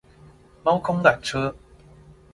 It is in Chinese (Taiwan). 貓空纜車